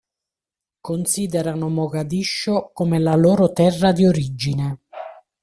Considerano Mogadiscio come la loro terra di origine.